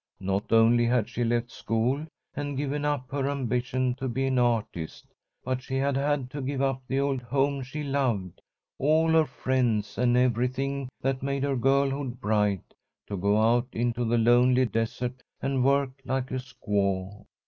Not only had she left school and given up her ambition to be an artist, but she had had to give up the old home she loved, all her friends, and everything that made her girlhood bright, to go out into the lonely desert and work like a squaw.